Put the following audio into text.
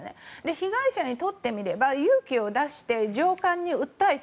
被害者にとってみれば勇気を出して上官に訴えた。